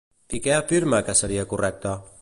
I què afirma que seria correcte?